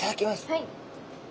はい。